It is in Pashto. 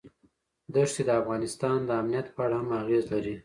ښتې د افغانستان د امنیت په اړه هم اغېز لري.